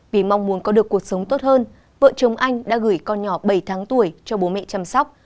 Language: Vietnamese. vì mong muốn có được cuộc sống tốt hơn vợ chồng anh đã gửi con nhỏ bảy tháng tuổi cho bố mẹ chăm sóc